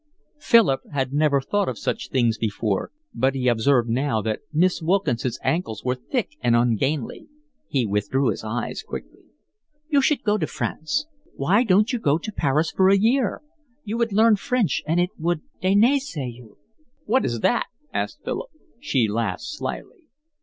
Philip had never thought of such things before, but he observed now that Miss Wilkinson's ankles were thick and ungainly. He withdrew his eyes quickly. "You should go to France. Why don't you go to Paris for a year? You would learn French, and it would—deniaiser you." "What is that?" asked Philip. She laughed slyly.